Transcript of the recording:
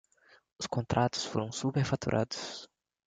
Os contratos foram superfaturados